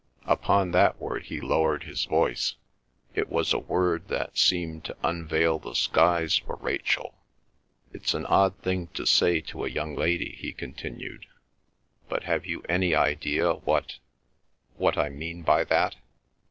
Upon that word he lowered his voice; it was a word that seemed to unveil the skies for Rachel. "It's an odd thing to say to a young lady," he continued. "But have you any idea what—what I mean by that?